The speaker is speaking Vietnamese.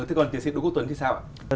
thế còn tiến sĩ đức quốc tuấn thì sao ạ